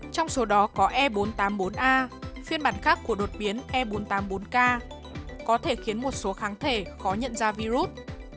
trong số đó có e bốn trăm tám mươi bốn a phiên bản khác của đột biến e bốn trăm tám mươi bốn k có thể khiến một số kháng thể khó nhận ra virus